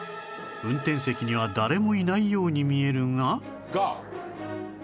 運転席には誰もいないように見えるがが。